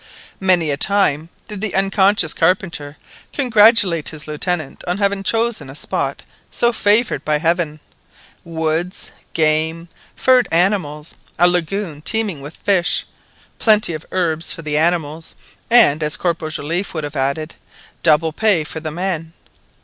Many a time did the unconscious carpenter congratulate his Lieutenant on having chosen a spot so favoured by Heaven. Woods, game, furred animals, a lagoon teeming with fish, plenty of herbs for the animals, and, as Corporal Joliffe would have added, double pay for the men.